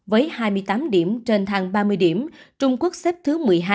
với hai mươi tám điểm trên thang ba mươi điểm trung quốc xếp thứ một mươi hai